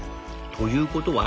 ということは。